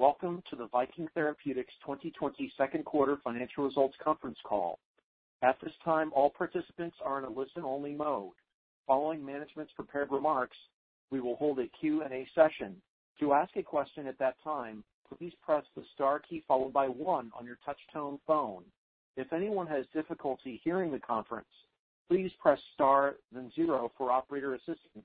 Welcome to the Viking Therapeutics 2020 second quarter financial results conference call. At this time, all participants are in a listen-only mode. Following management's prepared remarks, we will hold a Q&A session. To ask a question at that time, please press the star key followed by one on your touch-tone phone. If anyone has difficulty hearing the conference, please press star then zero for operator assistance.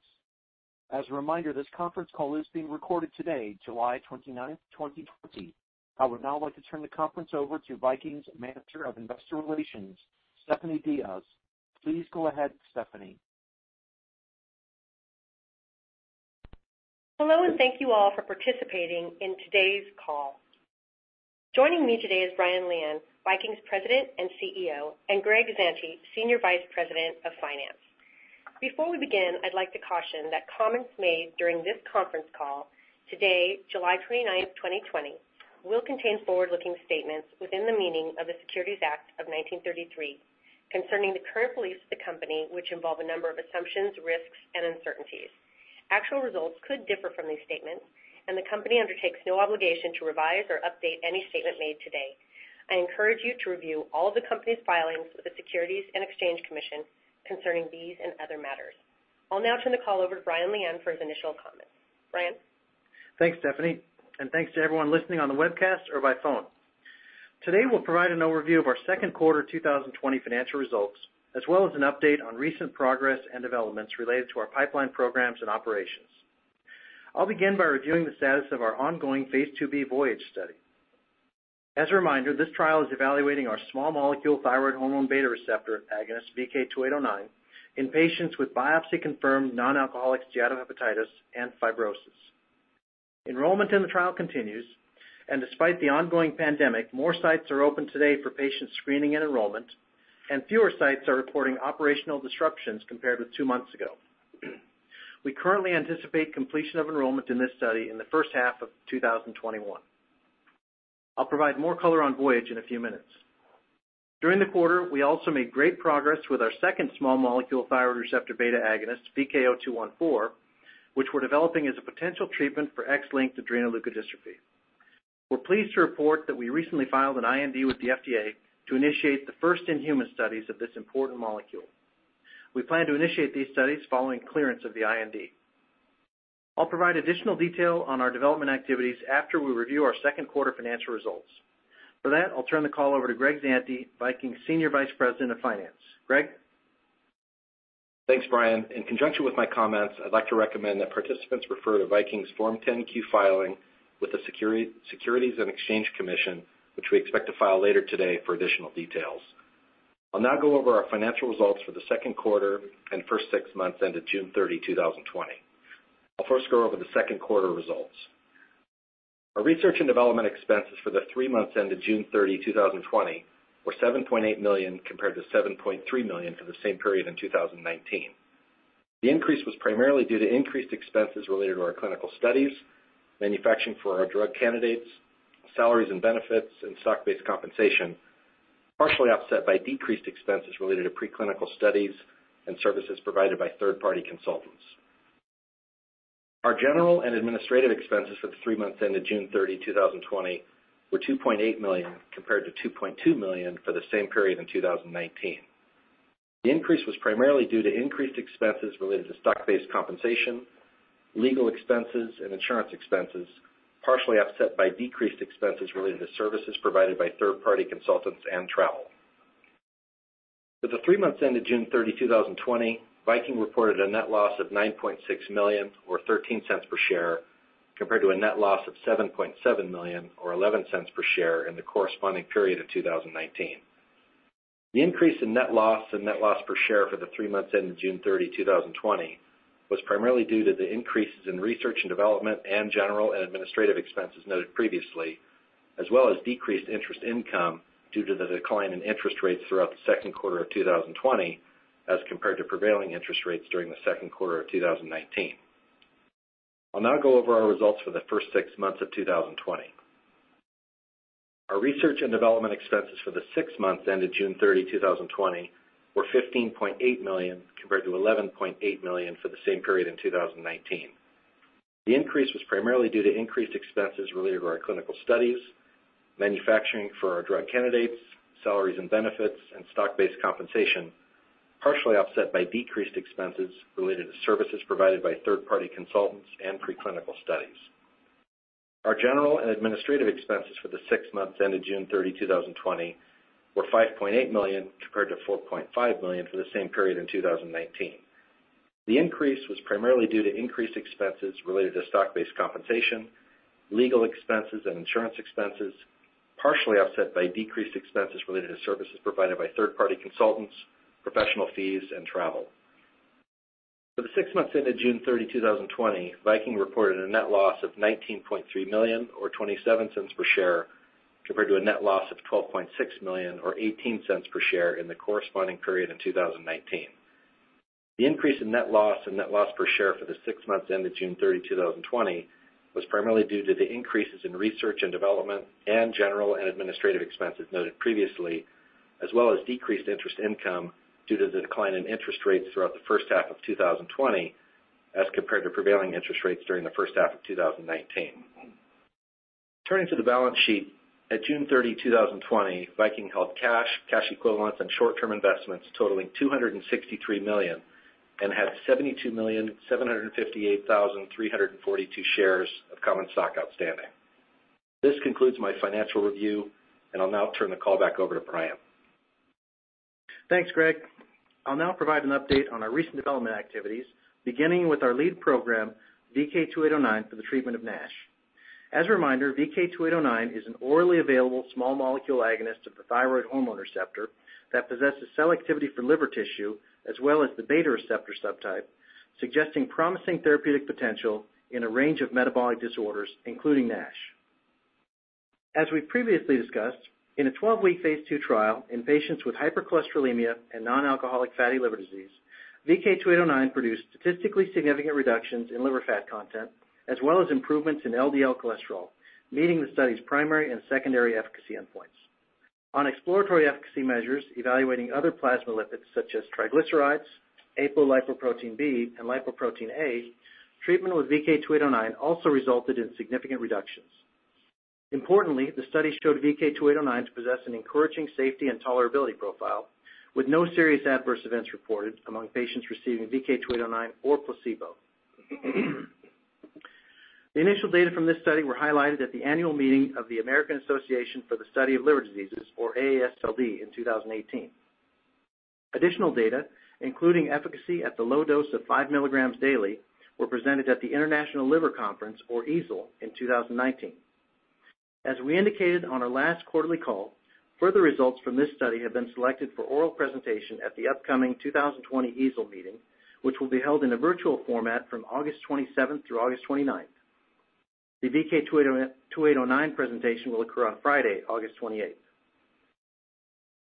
As a reminder, this conference call is being recorded today, July 29th, 2020. I would now like to turn the conference over to Viking's Manager of Investor Relations, Stephanie Diaz. Please go ahead, Stephanie. Hello. Thank you all for participating in today's call. Joining me today is Brian Lian, Viking's President and CEO, and Greg Zante, Senior Vice President of Finance. Before we begin, I'd like to caution that comments made during this conference call today, July 29th, 2020, will contain forward-looking statements within the meaning of the Securities Act of 1933 concerning the current beliefs of the company, which involve a number of assumptions, risks, and uncertainties. Actual results could differ from these statements. The company undertakes no obligation to revise or update any statement made today. I encourage you to review all of the company's filings with the Securities and Exchange Commission concerning these and other matters. I'll now turn the call over to Brian Lian for his initial comments. Brian? Thanks, Stephanie, and thanks to everyone listening on the webcast or by phone. Today, we'll provide an overview of our second quarter 2020 financial results, as well as an update on recent progress and developments related to our pipeline programs and operations. I'll begin by reviewing the status of our ongoing phase II-B VOYAGE study. As a reminder, this trial is evaluating our small molecule thyroid hormone receptor beta agonist, VK2809, in patients with biopsy-confirmed non-alcoholic steatohepatitis and fibrosis. Enrollment in the trial continues. Despite the ongoing pandemic, more sites are open today for patient screening and enrollment, and fewer sites are reporting operational disruptions compared with two months ago. We currently anticipate completion of enrollment in this study in the first half of 2021. I'll provide more color on VOYAGE in a few minutes. During the quarter, we also made great progress with our second small molecule thyroid receptor beta agonist, VK0214, which we're developing as a potential treatment for X-linked adrenoleukodystrophy. We're pleased to report that we recently filed an IND with the FDA to initiate the first in-human studies of this important molecule. We plan to initiate these studies following clearance of the IND. I'll provide additional detail on our development activities after we review our second quarter financial results. For that, I'll turn the call over to Greg Zante, Viking's Senior Vice President of Finance. Greg? Thanks, Brian. In conjunction with my comments, I'd like to recommend that participants refer to Viking's Form 10-Q filing with the Securities and Exchange Commission, which we expect to file later today for additional details. I'll now go over our financial results for the second quarter and first six months ended June 30, 2020. I'll first go over the second quarter results. Our research and development expenses for the three months ended June 30, 2020 were $7.8 million compared to $7.3 million for the same period in 2019. The increase was primarily due to increased expenses related to our clinical studies, manufacturing for our drug candidates, salaries and benefits, and stock-based compensation, partially offset by decreased expenses related to preclinical studies and services provided by third-party consultants. Our general and administrative expenses for the three months ended June 30, 2020 were $2.8 million, compared to $2.2 million for the same period in 2019. The increase was primarily due to increased expenses related to stock-based compensation, legal expenses, and insurance expenses, partially offset by decreased expenses related to services provided by third-party consultants and travel. For the three months ended June 30, 2020, Viking reported a net loss of $9.6 million, or $0.13 per share, compared to a net loss of $7.7 million, or $0.11 per share, in the corresponding period of 2019. The increase in net loss and net loss per share for the three months ended June 30, 2020 was primarily due to the increases in research and development and general and administrative expenses noted previously, as well as decreased interest income due to the decline in interest rates throughout the second quarter of 2020 as compared to prevailing interest rates during the second quarter of 2019. I'll now go over our results for the first six months of 2020. Our research and development expenses for the six months ended June 30, 2020 were $15.8 million compared to $11.8 million for the same period in 2019. The increase was primarily due to increased expenses related to our clinical studies, manufacturing for our drug candidates, salaries and benefits, and stock-based compensation, partially offset by decreased expenses related to services provided by third-party consultants and preclinical studies. Our general and administrative expenses for the six months ended June 30, 2020 were $5.8 million compared to $4.5 million for the same period in 2019. The increase was primarily due to increased expenses related to stock-based compensation, legal expenses, and insurance expenses, partially offset by decreased expenses related to services provided by third-party consultants, professional fees, and travel. For the six months ended June 30, 2020, Viking reported a net loss of $19.3 million, or $0.27 per share, compared to a net loss of $12.6 million, or $0.18 per share, in the corresponding period in 2019. The increase in net loss and net loss per share for the six months ended June 30, 2020 was primarily due to the increases in research and development and general and administrative expenses noted previously, as well as decreased interest income due to the decline in interest rates throughout the first half of 2020 as compared to prevailing interest rates during the first half of 2019. Turning to the balance sheet, at June 30, 2020, Viking held cash equivalents, and short-term investments totaling $263 million and had 72,758,342 shares of common stock outstanding. This concludes my financial review, and I'll now turn the call back over to Brian. Thanks, Greg. I'll now provide an update on our recent development activities, beginning with our lead program, VK2809, for the treatment of NASH. As a reminder, VK2809 is an orally available small molecule agonist of the thyroid hormone receptor that possesses selectivity for liver tissue as well as the beta receptor subtype, suggesting promising therapeutic potential in a range of metabolic disorders, including NASH. As we previously discussed, in a 12-week phase II trial in patients with hypercholesterolemia and non-alcoholic fatty liver disease, VK2809 produced statistically significant reductions in liver fat content as well as improvements in LDL cholesterol, meeting the study's primary and secondary efficacy endpoints. On exploratory efficacy measures evaluating other plasma lipids such as triglycerides, apolipoprotein B, and lipoprotein(a), treatment with VK2809 also resulted in significant reductions. Importantly, the study showed VK2809 to possess an encouraging safety and tolerability profile with no serious adverse events reported among patients receiving VK2809 or placebo. The initial data from this study were highlighted at the annual meeting of the American Association for the Study of Liver Diseases, or AASLD, in 2018. Additional data, including efficacy at the low dose of 5 mg daily, were presented at the International Liver Congress, or EASL, in 2019. As we indicated on our last quarterly call, further results from this study have been selected for oral presentation at the upcoming 2020 EASL meeting, which will be held in a virtual format from August 27th through August 29th. The VK2809 presentation will occur on Friday, August 28th.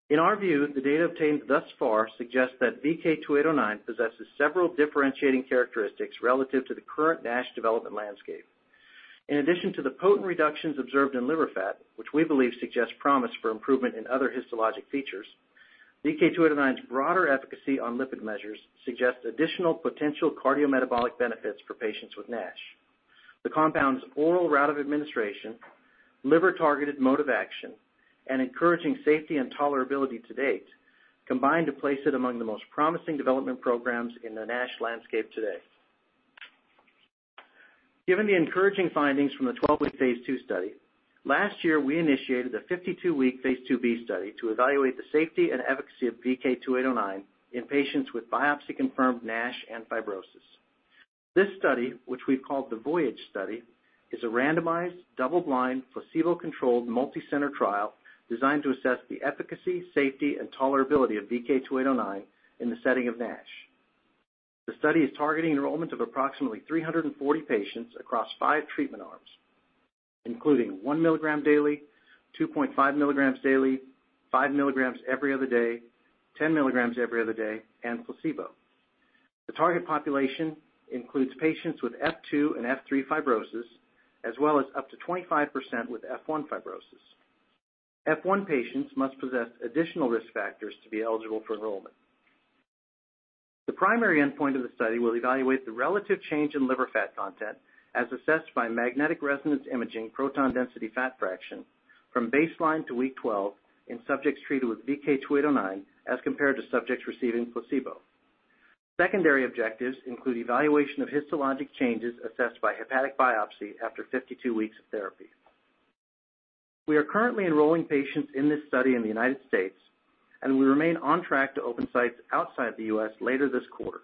In our view, the data obtained thus far suggests that VK2809 possesses several differentiating characteristics relative to the current NASH development landscape. In addition to the potent reductions observed in liver fat, which we believe suggests promise for improvement in other histologic features, VK2809's broader efficacy on lipid measures suggests additional potential cardiometabolic benefits for patients with NASH. The compound's oral route of administration, liver-targeted mode of action, and encouraging safety and tolerability to date combine to place it among the most promising development programs in the NASH landscape today. Given the encouraging findings from the 12-week phase II study, last year, we initiated a 52-week phase II-B study to evaluate the safety and efficacy of VK2809 in patients with biopsy-confirmed NASH and fibrosis. This study, which we've called the VOYAGE study, is a randomized, double-blind, placebo-controlled, multi-center trial designed to assess the efficacy, safety, and tolerability of VK2809 in the setting of NASH. The study is targeting enrollment of approximately 340 patients across five treatment arms, including 1 mg daily, 2.5 mg daily, 5 mg every other day, 10 mg every other day, and placebo. The target population includes patients with F2 and F3 fibrosis, as well as up to 25% with F1 fibrosis. F1 patients must possess additional risk factors to be eligible for enrollment. The primary endpoint of the study will evaluate the relative change in liver fat content as assessed by magnetic resonance imaging proton density fat fraction from baseline to week 12 in subjects treated with VK2809 as compared to subjects receiving placebo. Secondary objectives include evaluation of histologic changes assessed by hepatic biopsy after 52 weeks of therapy. We are currently enrolling patients in this study in the United States, and we remain on track to open sites outside the U.S. later this quarter.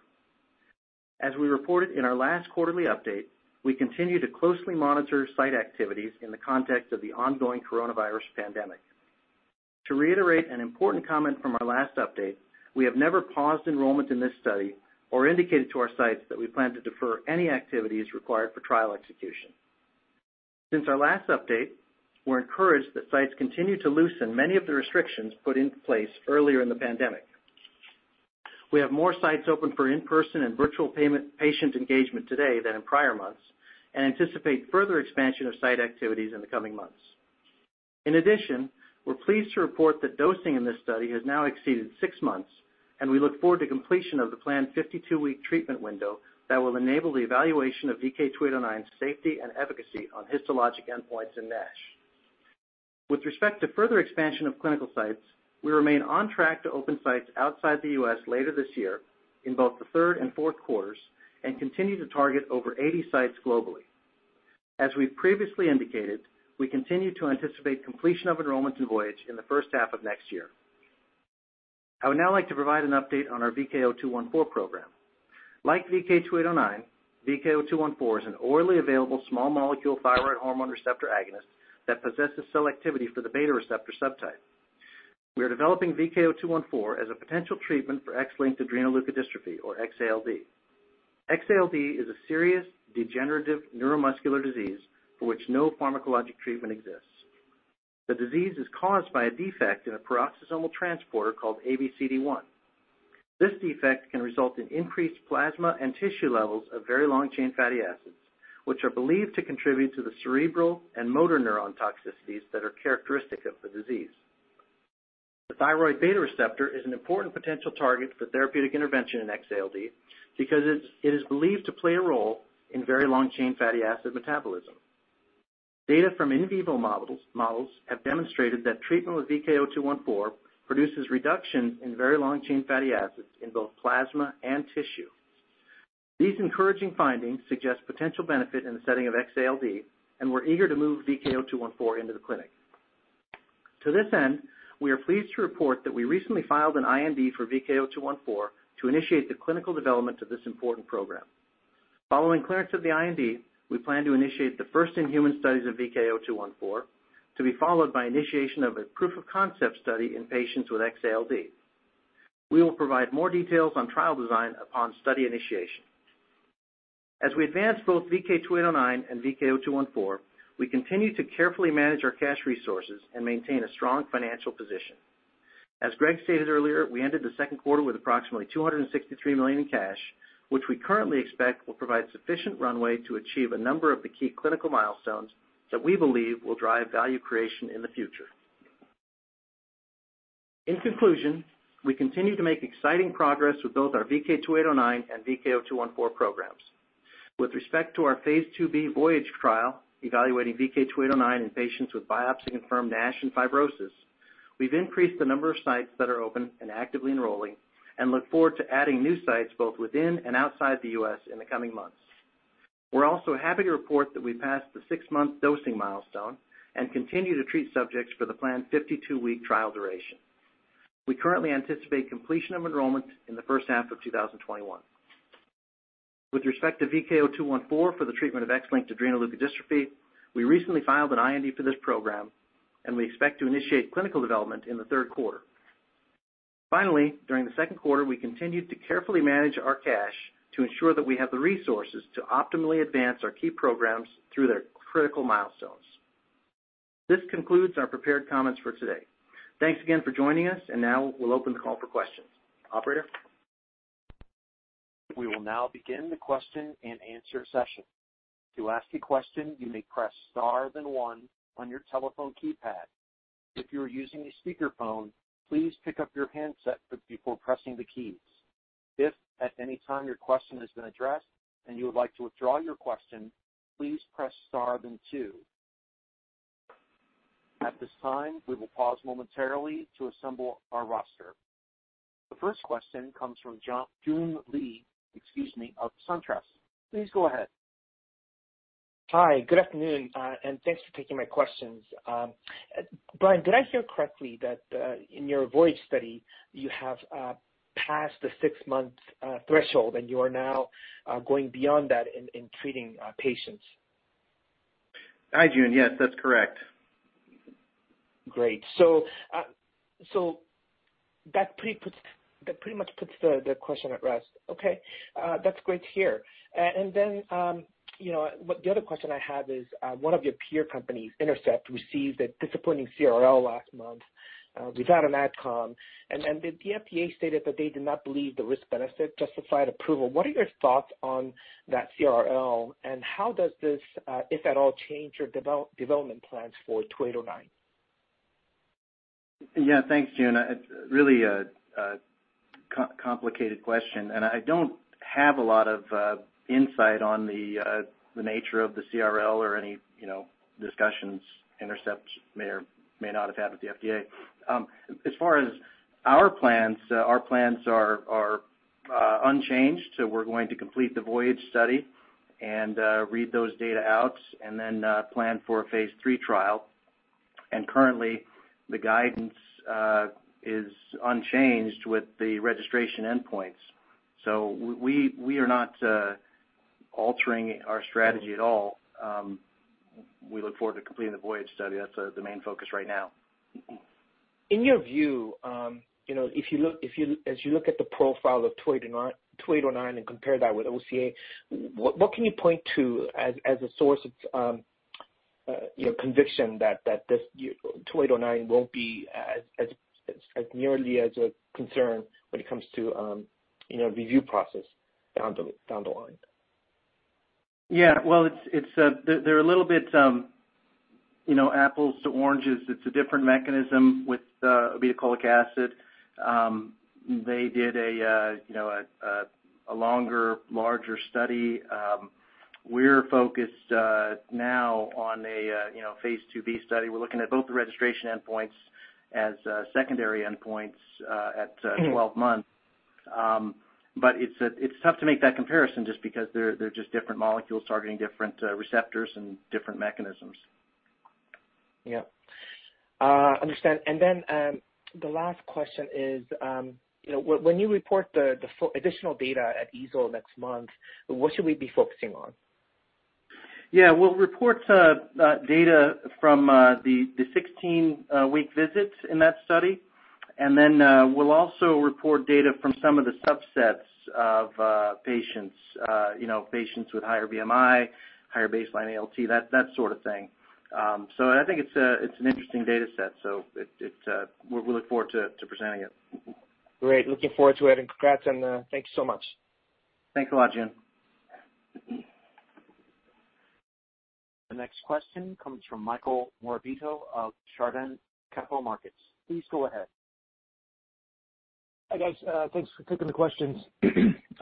As we reported in our last quarterly update, we continue to closely monitor site activities in the context of the ongoing coronavirus pandemic. To reiterate an important comment from our last update, we have never paused enrollment in this study or indicated to our sites that we plan to defer any activities required for trial execution. Since our last update, we're encouraged that sites continue to loosen many of the restrictions put in place earlier in the pandemic. We have more sites open for in-person and virtual patient engagement today than in prior months and anticipate further expansion of site activities in the coming months. In addition, we're pleased to report that dosing in this study has now exceeded six months, and we look forward to completion of the planned 52-week treatment window that will enable the evaluation of VK2809's safety and efficacy on histologic endpoints in NASH. With respect to further expansion of clinical sites, we remain on track to open sites outside the U.S. later this year in both the third and fourth quarters and continue to target over 80 sites globally. As we've previously indicated, we continue to anticipate completion of enrollment in VOYAGE in the first half of next year. I would now like to provide an update on our VK0214 program. Like VK2809, VK0214 is an orally available small molecule thyroid hormone receptor agonist that possesses selectivity for the beta receptor subtype. We are developing VK0214 as a potential treatment for X-linked adrenoleukodystrophy, or X-ALD. X-ALD is a serious degenerative neuromuscular disease for which no pharmacologic treatment exists. The disease is caused by a defect in a peroxisomal transporter called ABCD1. This defect can result in increased plasma and tissue levels of very long-chain fatty acids, which are believed to contribute to the cerebral and motor neuron toxicities that are characteristic of the disease. The thyroid hormone receptor beta is an important potential target for therapeutic intervention in X-ALD because it is believed to play a role in very long-chain fatty acid metabolism. Data from in vivo models have demonstrated that treatment with VK0214 produces reductions in very long-chain fatty acids in both plasma and tissue. These encouraging findings suggest potential benefit in the setting of X-ALD, and we're eager to move VK0214 into the clinic. To this end, we are pleased to report that we recently filed an IND for VK0214 to initiate the clinical development of this important program. Following clearance of the IND, we plan to initiate the first-in-human studies of VK0214, to be followed by initiation of a proof of concept study in patients with X-ALD. We will provide more details on trial design upon study initiation. As we advance both VK2809 and VK0214, we continue to carefully manage our cash resources and maintain a strong financial position. As Greg stated earlier, we ended the second quarter with approximately $263 million in cash, which we currently expect will provide sufficient runway to achieve a number of the key clinical milestones that we believe will drive value creation in the future. In conclusion, we continue to make exciting progress with both our VK2809 and VK0214 programs. With respect to our phase II-B VOYAGE trial evaluating VK2809 in patients with biopsy-confirmed NASH and fibrosis, we've increased the number of sites that are open and actively enrolling and look forward to adding new sites both within and outside the U.S. in the coming months. We're also happy to report that we passed the six-month dosing milestone and continue to treat subjects for the planned 52-week trial duration. We currently anticipate completion of enrollment in the first half of 2021. With respect to VK0214 for the treatment of X-linked adrenoleukodystrophy, we recently filed an IND for this program, and we expect to initiate clinical development in the third quarter. Finally, during the second quarter, we continued to carefully manage our cash to ensure that we have the resources to optimally advance our key programs through their critical milestones. This concludes our prepared comments for today. Thanks again for joining us, and now we'll open the call for questions. Operator? We will now begin the question and answer session. To ask a question, you may press star, then one on your telephone keypad. If you are using a speakerphone, please pick up your handset before pressing the keys. If at any time your question has been addressed and you would like to withdraw your question, please press star then two. At this time, we will pause momentarily to assemble our roster. The first question comes from Joon Lee, excuse me, of SunTrust. Please go ahead. Hi, good afternoon, and thanks for taking my questions. Brian, did I hear correctly that in your VOYAGE study, you have passed the six-month threshold and you are now going beyond that in treating patients? Hi, Joon. Yes, that's correct. Great. That pretty much puts the question at rest. Okay. That's great to hear. The other question I have is, one of your peer companies, Intercept, received a disappointing CRL last month without an adcom, and the FDA stated that they did not believe the risk-benefit justified approval. What are your thoughts on that CRL, and how does this, if at all, change your development plans for VK2809? Yeah. Thanks, Joon. It's really a complicated question, and I don't have a lot of insight on the nature of the CRL or any discussions Intercept may or may not have had with the FDA. As far as our plans, our plans are unchanged. We're going to complete the VOYAGE study and read those data out and then plan for a phase III trial. Currently, the guidance is unchanged with the registration endpoints. We are not altering our strategy at all. We look forward to completing the VOYAGE study. That's the main focus right now. In your view, as you look at the profile of VK2809 and compare that with OCA, what can you point to as a source of conviction that this VK2809 won't be as nearly as a concern when it comes to review process down the line? Yeah. Well, they're a little bit apples to oranges. It's a different mechanism with obeticholic acid. They did a longer, larger study. We're focused now on a phase II-B study. We're looking at both the registration endpoints as secondary endpoints at 12 months. It's tough to make that comparison just because they're just different molecules targeting different receptors and different mechanisms. Yeah. Understand. The last question is when you report the additional data at EASL next month, what should we be focusing on? Yeah. We'll report data from the 16-week visits in that study, and then we'll also report data from some of the subsets of patients with higher BMI, higher baseline ALT, that sort of thing. I think it's an interesting data set. We look forward to presenting it. Great. Looking forward to it. Congrats, and thanks so much. Thanks a lot, Joon. The next question comes from Michael Morabito of Chardan Capital Markets. Please go ahead. Hi, guys. Thanks for taking the questions.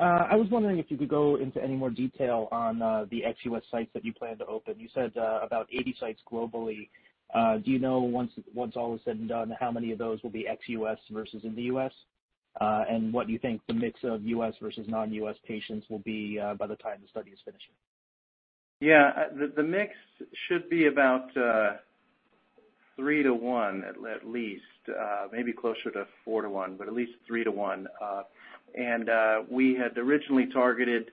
I was wondering if you could go into any more detail on the ex-U.S. sites that you plan to open. You said about 80 sites globally. Do you know, once all is said and done, how many of those will be ex-U.S. versus in the U.S.? What do you think the mix of U.S. versus non-U.S. patients will be by the time the study is finished? Yeah. The mix should be about three to one at least. Maybe closer to four to one, but at least three to one. We had originally targeted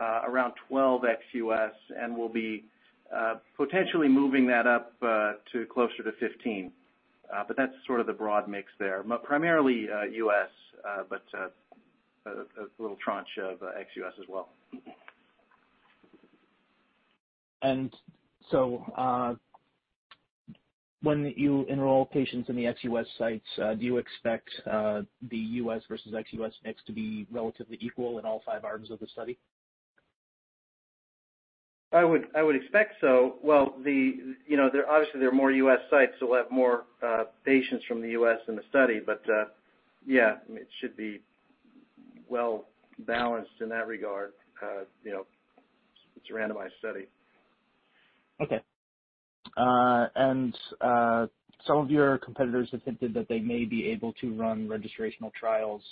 around 12 ex-U.S., and we'll be potentially moving that up to closer to 15. That's sort of the broad mix there. Primarily U.S., but a little tranche of ex-U.S. as well. when you enroll patients in the ex-U.S. sites, do you expect the U.S. versus ex-U.S. mix to be relatively equal in all five arms of the study? I would expect so. Well, obviously, there are more U.S. sites, so we'll have more patients from the U.S. in the study. Yeah, it should be well balanced in that regard. It's a randomized study. Okay. Some of your competitors have hinted that they may be able to run registrational trials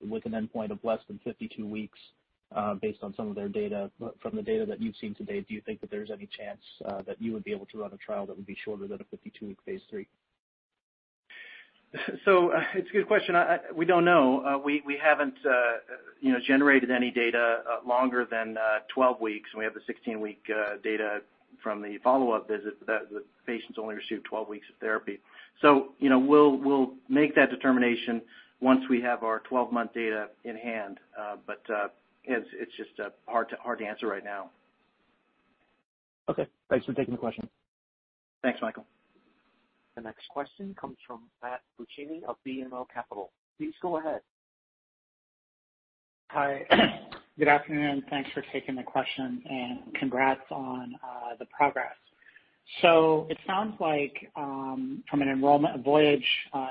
with an endpoint of less than 52 weeks based on some of their data. From the data that you've seen to date, do you think that there's any chance that you would be able to run a trial that would be shorter than a 52-week phase III? It's a good question. We don't know. We haven't generated any data longer than 12 weeks, and we have the 16-week data from the follow-up visit. The patients only received 12 weeks of therapy. We'll make that determination once we have our 12-month data in hand. It's just hard to answer right now. Okay. Thanks for taking the question. Thanks, Michael. The next question comes from Matt Luchini of BMO Capital. Please go ahead. Hi. Good afternoon. Thanks for taking the question, and congrats on the progress. It sounds like from a VOYAGE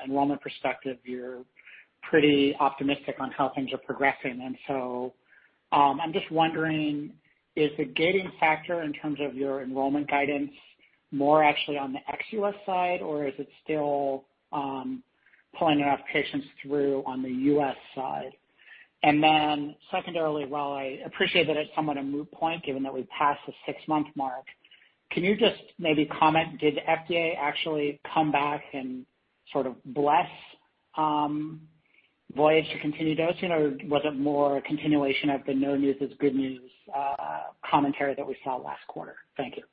enrollment perspective, you're pretty optimistic on how things are progressing. I'm just wondering, is the gating factor in terms of your enrollment guidance more actually on the ex-U.S. side, or is it still pulling enough patients through on the U.S. side? Secondarily, while I appreciate that it's somewhat a moot point given that we've passed the six-month mark, can you just maybe comment, did FDA actually come back and sort of bless VOYAGE to continue dosing, or was it more a continuation of the no news is good news commentary that we saw last quarter? Thank you.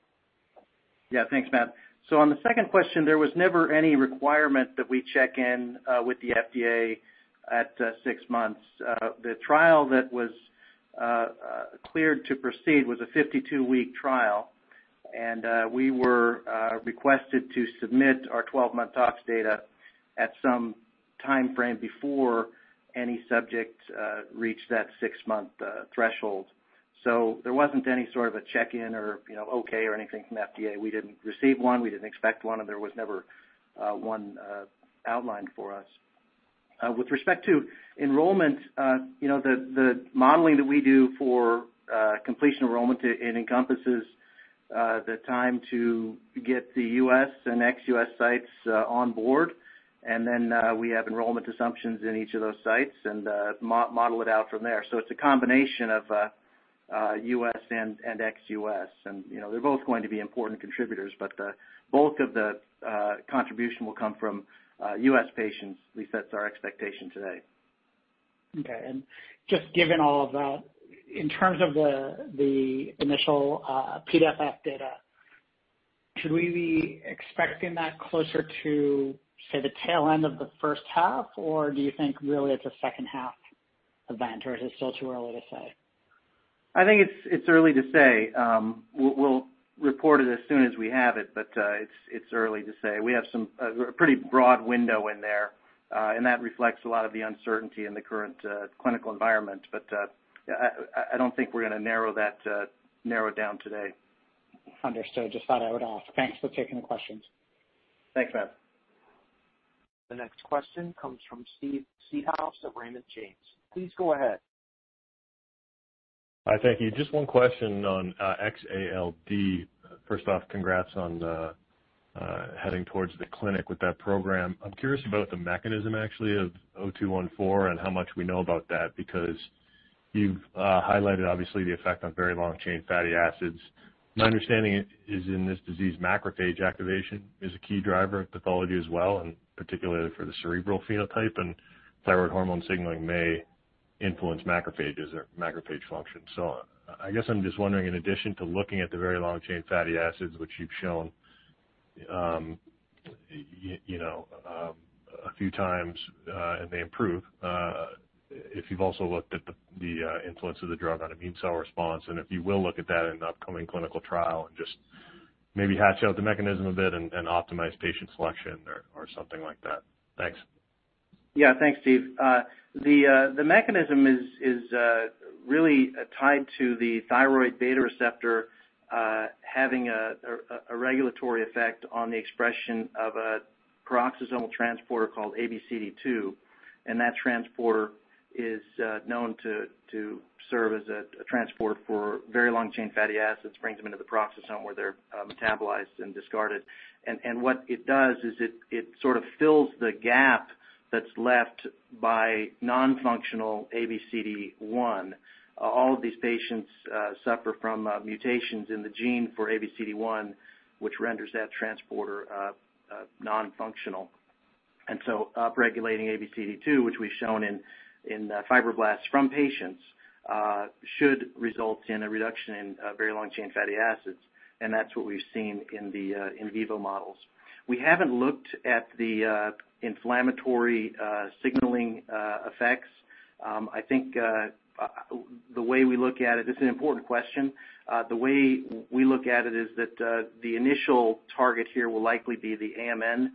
Yeah. Thanks, Matt. On the second question, there was never any requirement that we check in with the FDA at six months. The trial that was cleared to proceed was a 52-week trial, and we were requested to submit our 12-month tox data at some timeframe before any subject reached that six-month threshold. There wasn't any sort of a check-in or okay or anything from FDA. We didn't receive one, we didn't expect one, and there was never one outlined for us. With respect to enrollment, the modeling that we do for completion enrollment, it encompasses the time to get the U.S. and ex-U.S. sites on board. We have enrollment assumptions in each of those sites and model it out from there. It's a combination of U.S. and ex-U.S. They're both going to be important contributors, but the bulk of the contribution will come from U.S. patients. At least that's our expectation today. Okay. Just given all of that, in terms of the initial PDFF data, should we be expecting that closer to, say, the tail end of the first half, or do you think really, it's a second half event, or is it still too early to say? I think it's early to say. We'll report it as soon as we have it. It's early to say. We have a pretty broad window in there. That reflects a lot of the uncertainty in the current clinical environment. I don't think we're going to narrow it down today. Understood. Just thought I would ask. Thanks for taking the questions. Thanks, Matt. The next question comes from Steve Seedhouse at Raymond James. Please go ahead. Hi. Thank you. Just one question on X-ALD. First off, congrats on heading towards the clinic with that program. I'm curious about the mechanism, actually, of VK0214 and how much we know about that, because you've highlighted, obviously, the effect on very long-chain fatty acids. My understanding is in this disease, macrophage activation is a key driver of pathology as well, and particularly for the cerebral phenotype, and thyroid hormone signaling may influence macrophages or macrophage function. I guess I'm just wondering, in addition to looking at the very long-chain fatty acids, which you've shown a few times, and they improve, if you've also looked at the influence of the drug on immune cell response, and if you will look at that in an upcoming clinical trial and just maybe hash out the mechanism a bit and optimize patient selection or something like that. Thanks. Yeah. Thanks, Steve. The mechanism is really tied to the thyroid beta receptor having a regulatory effect on the expression of a peroxisomal transporter called ABCD2. That transporter is known to serve as a transport for very long-chain fatty acids, brings them into the peroxisome where they're metabolized and discarded. What it does is it sort of fills the gap that's left by non-functional ABCD1. All of these patients suffer from mutations in the gene for ABCD1, which renders that transporter non-functional. Upregulating ABCD2, which we've shown in fibroblasts from patients, should result in a reduction in very long-chain fatty acids. That's what we've seen in the in vivo models. We haven't looked at the inflammatory signaling effects. This is an important question. The way we look at it is that the initial target here will likely be the AMN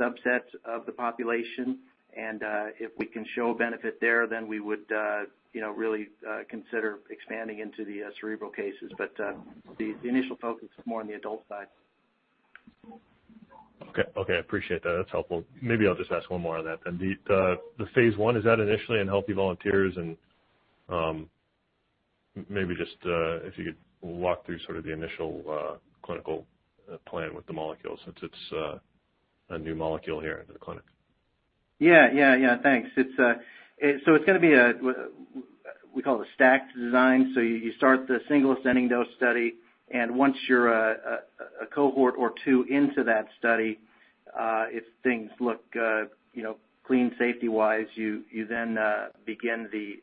subset of the population. If we can show benefit there, then we would really consider expanding into the cerebral cases. The initial focus is more on the adult side. Okay. I appreciate that. That's helpful. Maybe I'll just ask one more on that then. The phase I, is that initially in healthy volunteers? Maybe just if you could walk through sort of the initial clinical plan with the molecule, since it's a new molecule here in the clinic. Yeah. Thanks. It's going to be a stacked design. You start the single ascending dose study. Once you're a cohort or two into that study, if things look clean safety-wise, you then begin the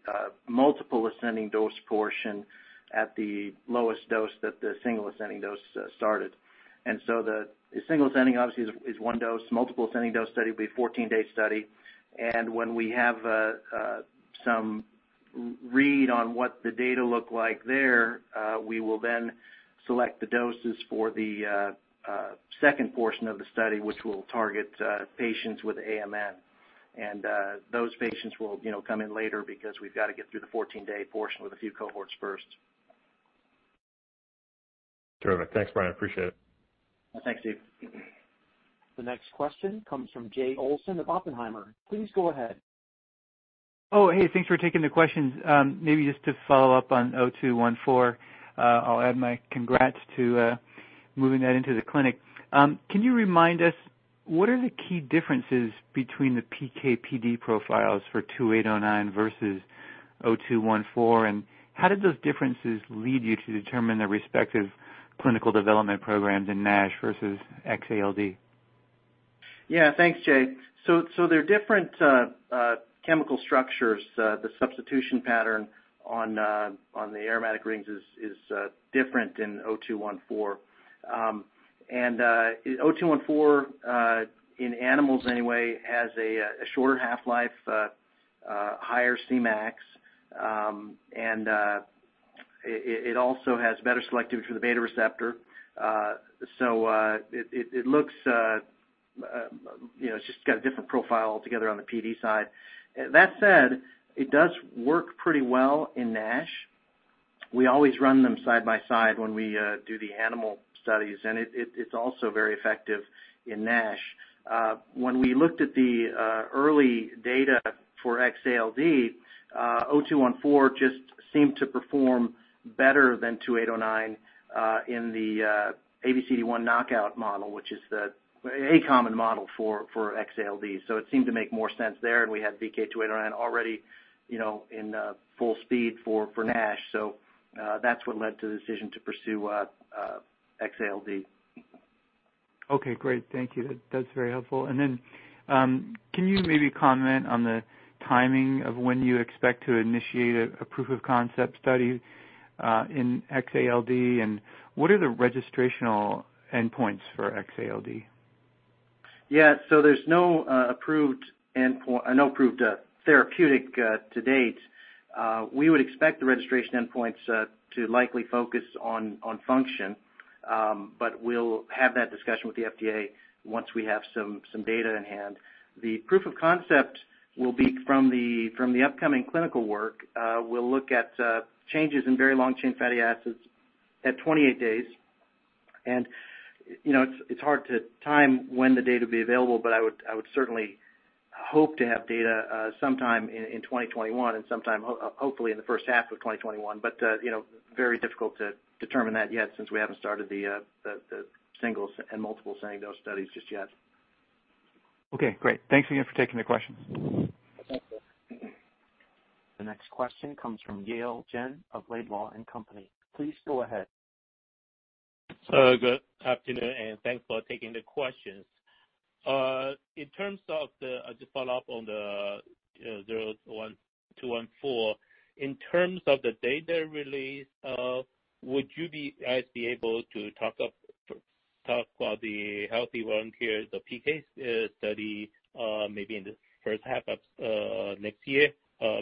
multiple ascending dose portion at the lowest dose that the single ascending dose started. The single ascending obviously is one dose. Multiple ascending dose study will be a 14-day study. When we have some read on what the data look like there, we will then select the doses for the second portion of the study, which will target patients with AMN. Those patients will come in later because we've got to get through the 14-day portion with a few cohorts first. Terrific. Thanks, Brian. Appreciate it. Thanks, Steve. The next question comes from Jay Olson of Oppenheimer. Please go ahead. Thanks for taking the questions. Maybe just to follow up on VK0214, I'll add my congrats to moving that into the clinic. Can you remind us, what are the key differences between the PK/PD profiles for VK2809 versus VK0214, and how did those differences lead you to determine the respective clinical development programs in NASH versus X-ALD? Yeah. Thanks, Jay. They're different chemical structures. The substitution pattern on the aromatic rings is different in VK0214. VK0214, in animals anyway, has a shorter half-life, higher Cmax, and it also has better selectivity for the beta receptor. It looks it's just got a different profile altogether on the PD side. That said, it does work pretty well in NASH. We always run them side by side when we do the animal studies, and it's also very effective in NASH. When we looked at the early data for X-ALD, VK0214 just seemed to perform better than VK2809 in the ABCD1 knockout model, which is a common model for X-ALD. It seemed to make more sense there, and we had VK2809 already in full speed for NASH. That's what led to the decision to pursue X-ALD. Okay, great. Thank you. That's very helpful. Can you maybe comment on the timing of when you expect to initiate a proof of concept study in X-ALD, and what are the registrational endpoints for X-ALD? There's no approved therapeutic to date. We would expect the registration endpoints to likely focus on function. We'll have that discussion with the FDA once we have some data in hand. The proof of concept will be from the upcoming clinical work. We'll look at changes in very long-chain fatty acids at 28 days. It's hard to time when the data will be available, but I would certainly hope to have data sometime in 2021 and sometime, hopefully, in the first half of 2021. Very difficult to determine that yet since we haven't started the single ascending dose and multiple ascending dose studies just yet. Okay, great. Thanks again for taking the questions. Thank you. The next question comes from Yale Jen of Laidlaw & Company. Please go ahead. Good afternoon. Thanks for taking the questions. Just follow up on the VK0214. In terms of the data release, would you guys be able to talk about the healthy volunteer, the PK study, maybe in the first half of next year,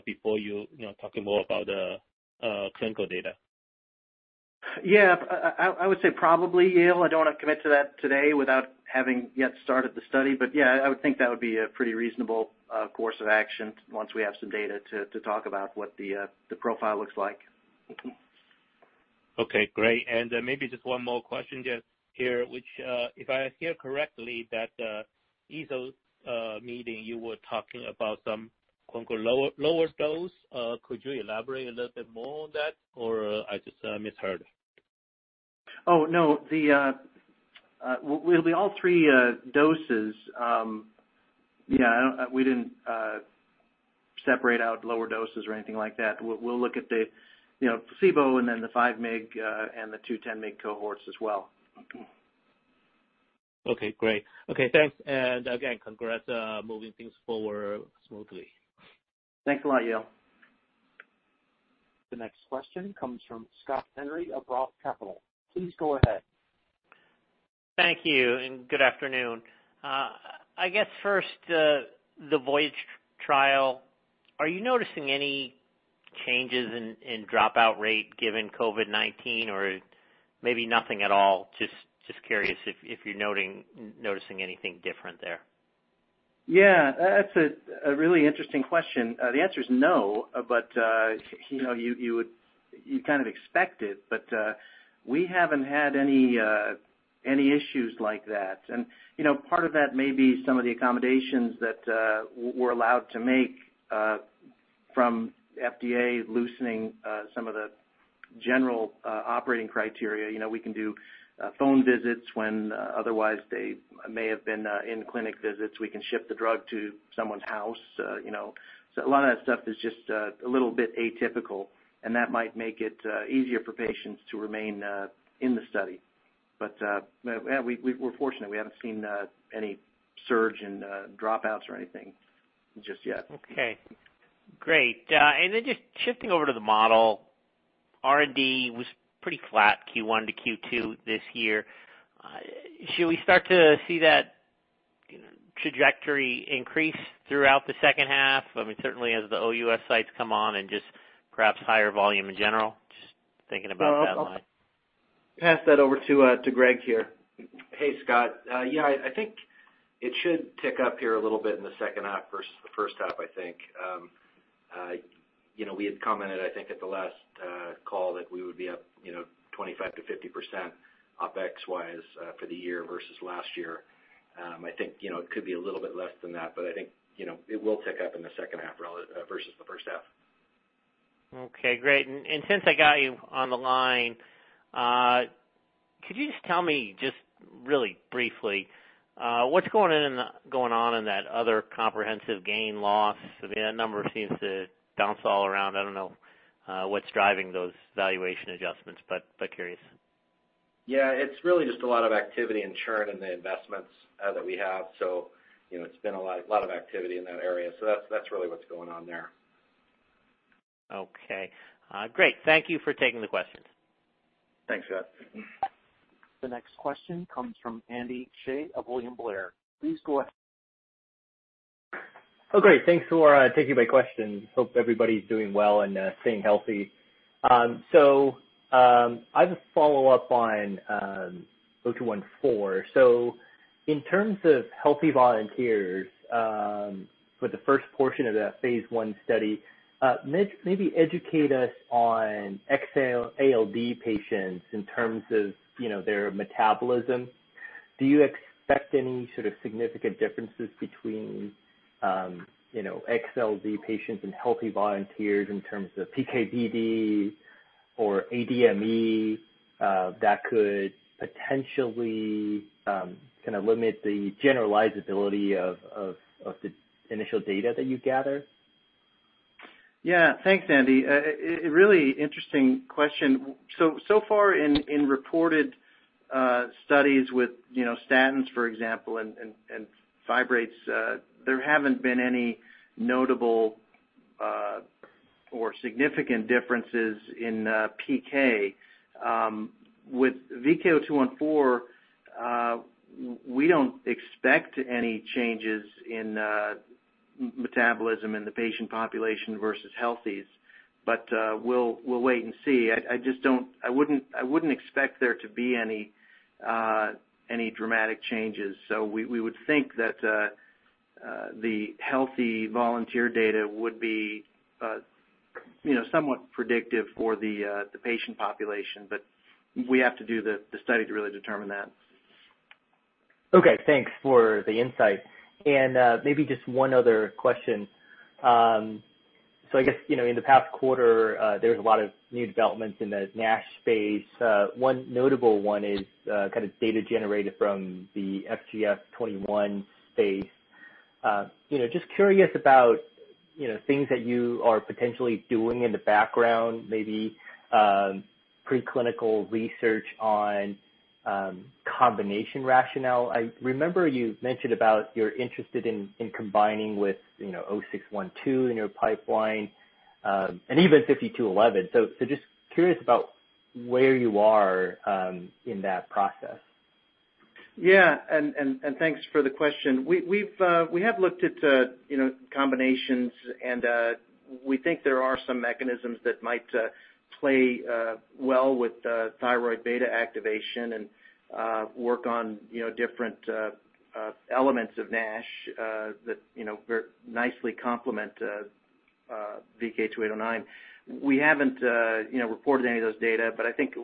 before you talk more about the clinical data? I would say probably, Yale. I don't want to commit to that today without having yet started the study. I would think that would be a pretty reasonable course of action once we have some data to talk about what the profile looks like. Okay, great. Maybe just one more question here, which, if I hear correctly, that EASL meeting you were talking about some "lower dose". Could you elaborate a little bit more on that, or I just misheard? Oh, no. It'll be all three doses. Yeah, we didn't separate out lower doses or anything like that. We'll look at the placebo and then the 5 mg and the 10 mg cohorts as well. Okay, great. Okay, thanks. Again, congrats moving things forward smoothly. Thanks a lot, Yale. The next question comes from Scott Henry of ROTH Capital. Please go ahead. Thank you. Good afternoon. I guess first, the VOYAGE trial. Are you noticing any changes in dropout rate given COVID-19? Maybe nothing at all. Just curious if you're noticing anything different there. Yeah. That's a really interesting question. The answer is no. You would kind of expect it, but we haven't had any issues like that. Part of that may be some of the accommodations that we're allowed to make from FDA loosening some of the general operating criteria. We can do phone visits when otherwise they may have been in-clinic visits. We can ship the drug to someone's house. A lot of that stuff is just a little bit atypical, and that might make it easier for patients to remain in the study. We're fortunate we haven't seen any surge in dropouts or anything just yet. Okay, great. Just shifting over to the model, R&D was pretty flat Q1 to Q2 this year. Should we start to see that trajectory increase throughout the second half? I mean, certainly as the OUS sites come on and just perhaps higher volume in general, just thinking about that line. I'll pass that over to Greg here. Hey, Scott. Yeah, I think it should tick up here a little bit in the second half versus the first half, I think. We had commented, I think at the last call that we would be up 25%-50% OpEx-wise for the year versus last year. I think it could be a little bit less than that, but I think it will tick up in the second half versus the first half. Okay, great. Since I got you on the line, could you just tell me, just really briefly, what's going on in that other comprehensive gain loss? That number seems to bounce all around. I don't know what's driving those valuation adjustments, but curious. It's really just a lot of activity in churn in the investments that we have. It's been a lot of activity in that area. That's really what's going on there. Okay. Great. Thank you for taking the questions. Thanks, Scott. The next question comes from Andy Hsieh of William Blair. Please go ahead. Oh, great. Thanks for taking my questions. Hope everybody's doing well and staying healthy. I have a follow-up on VK0214. In terms of healthy volunteers for the first portion of that phase I study, maybe educate us on X-ALD patients in terms of their metabolism. Do you expect any sort of significant differences between X-ALD patients and healthy volunteers in terms of PK/PD or ADME that could potentially limit the generalizability of the initial data that you gather? Yeah. Thanks, Andy. A really interesting question. Far in reported studies with statins, for example, and fibrates, there haven't been any notable or significant differences in PK. With VK0214, we don't expect any changes in metabolism in the patient population versus healthies, but we'll wait and see. I wouldn't expect there to be any dramatic changes. We would think that the healthy volunteer data would be somewhat predictive for the patient population. We have to do the study to really determine that. Okay. Thanks for the insight. Maybe just one other question. I guess, in the past quarter, there's a lot of new developments in the NASH space. One notable one is data generated from the FGF21 space. Just curious about things that you are potentially doing in the background, maybe preclinical research on combination rationale. I remember you mentioned about you're interested in combining with VK0612 in your pipeline, and even VK5211. Just curious about where you are in that process. Yeah, thanks for the question. We have looked at combinations, we think there are some mechanisms that might play well with thyroid beta activation and work on different elements of NASH that very nicely complement VK2809. We haven't reported any of those data, I think,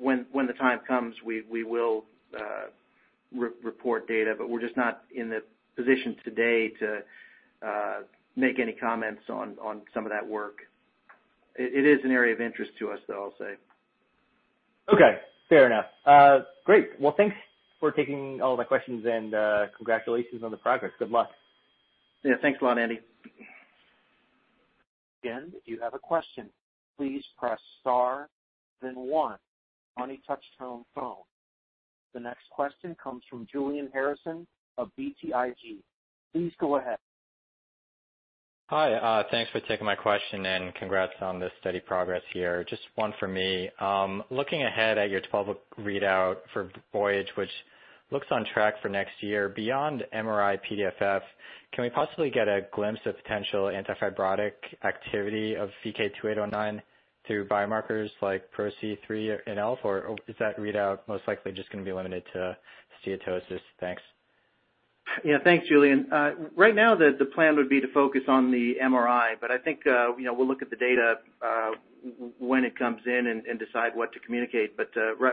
when the time comes, we will report data, we're just not in the position today to make any comments on some of that work. It is an area of interest to us, though, I'll say. Okay, fair enough. Great. Well, thanks for taking all my questions, and congratulations on the progress. Good luck. Yeah. Thanks a lot, Andy. Again, if you have a question, please press star then one on your touchtone phone. The next question comes from Julian Harrison of BTIG. Please go ahead. Hi. Thanks for taking my question and congrats on the steady progress here. Just one for me. Looking ahead at your 12-week readout for VOYAGE, which looks on track for next year, beyond MRI-PDFF, can we possibly get a glimpse of potential anti-fibrotic activity of VK2809 through biomarkers like PRO-C3 and ELF, or is that readout most likely just going to be limited to steatosis? Thanks. Yeah. Thanks, Julian. Right now, the plan would be to focus on the MRI. I think we'll look at the data when it comes in and decide what to communicate.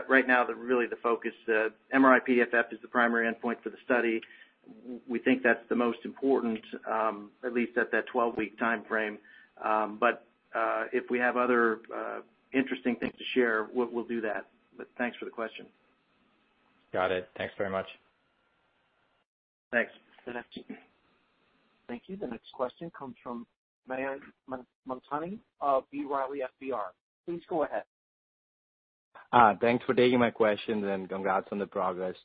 Right now, really the focus, MRI-PDFF is the primary endpoint for the study. We think that's the most important, at least at that 12-week timeframe. If we have other interesting things to share, we'll do that. Thanks for the question. Got it. Thanks very much. Thanks. Thank you. The next question comes from Mayank Mamtani of B. Riley FBR. Please go ahead. Thanks for taking my questions and congrats on the progress.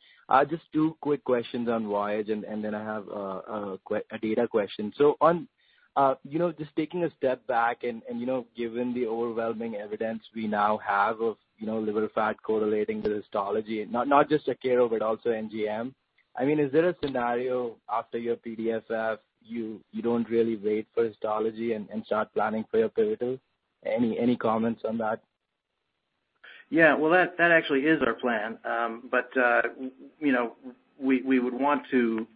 Just two quick questions on VOYAGE, and then I have a data question. On just taking a step back and given the overwhelming evidence we now have of liver fat correlating with histology, not just OCA, but also MGL, is there a scenario after your PDFF, you don't really wait for histology and start planning for your pivotal? Any comments on that? Yeah. Well, that actually is our plan. We would want to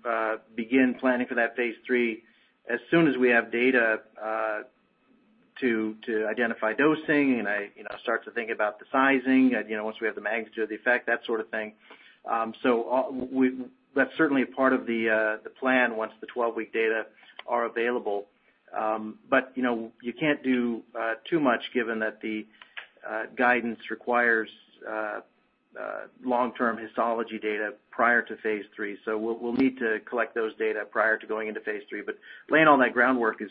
begin planning for that phase III as soon as we have data to identify dosing and I start to think about the sizing, once we have the magnitude of the effect, that sort of thing. That's certainly a part of the plan once the 12-week data are available. You can't do too much given that the guidance requires long-term histology data prior to phase III. We'll need to collect those data prior to going into phase III. Laying all that groundwork is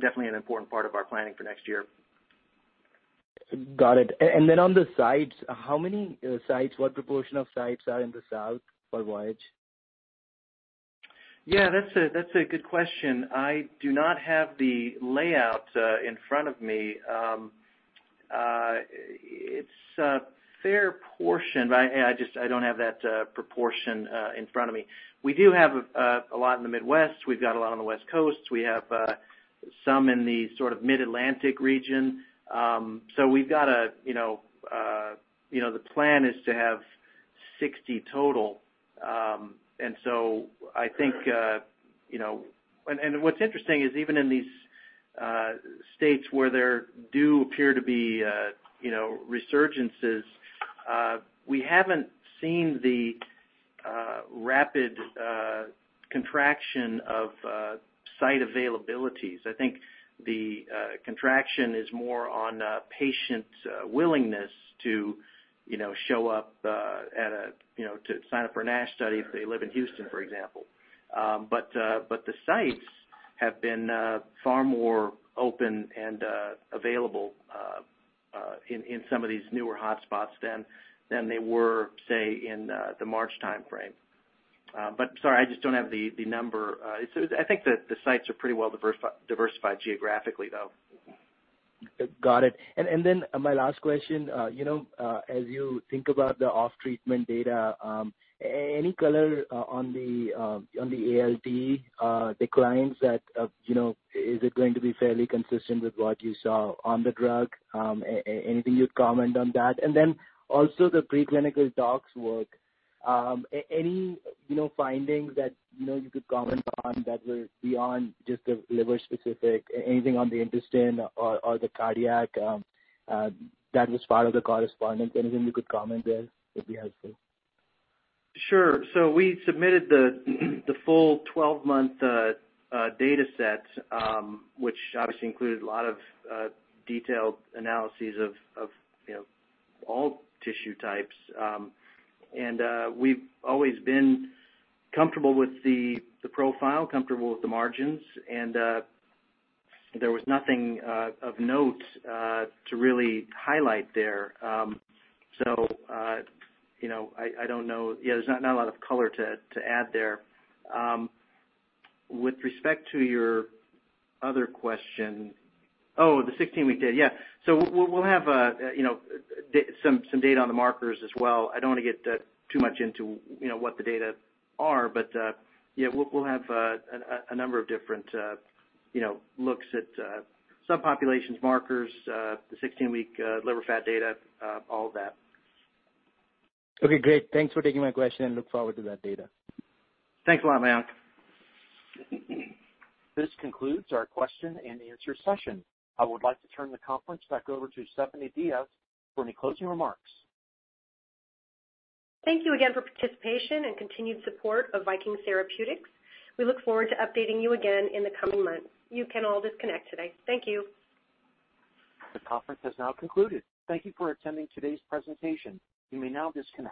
definitely an important part of our planning for next year. Got it. On the sites, how many sites, what proportion of sites are in the South for VOYAGE? Yeah, that's a good question. I do not have the layout in front of me. It's a fair portion. I don't have that proportion in front of me. We do have a lot in the Midwest. We've got a lot on the West Coast. We have some in the sort of Mid-Atlantic region. The plan is to have 60 total. What's interesting is even in these states where there do appear to be resurgences, we haven't seen the rapid contraction of site availabilities. I think the contraction is more on patients' willingness to show up to sign up for a NASH study if they live in Houston, for example. The sites have been far more open and available in some of these newer hotspots than they were, say, in the March timeframe. Sorry, I just don't have the number. I think that the sites are pretty well diversified geographically, though. Got it. My last question, as you think about the off-treatment data, any color on the ALT declines that, is it going to be fairly consistent with what you saw on the drug? Anything you'd comment on that? Also, the preclinical tox work. Any findings that you could comment on that were beyond just the liver specific, anything on the intestine or the cardiac that was part of the correspondence? Anything you could comment there would be helpful. Sure. We submitted the full 12-month data set, which obviously included a lot of detailed analyses of all tissue types. We've always been comfortable with the profile, comfortable with the margins, and there was nothing of note to really highlight there. I don't know. Yeah, there's not a lot of color to add there. With respect to your other question, Oh, the 16-week data. Yeah. We'll have some data on the markers as well. I don't want to get too much into what the data are, but yeah, we'll have a number of different looks at subpopulations markers, the 16-week liver fat data, all of that. Okay, great. Thanks for taking my question and look forward to that data. Thanks a lot, Mayank. This concludes our question-and-answer session. I would like to turn the conference back over to Stephanie Diaz for any closing remarks. Thank you again for participation and continued support of Viking Therapeutics. We look forward to updating you again in the coming months. You can all disconnect today. Thank you. The conference has now concluded. Thank you for attending today's presentation. You may now disconnect.